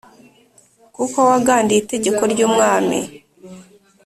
kuko wagandiye itegeko ry’umwami"